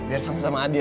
biar sama sama adil ya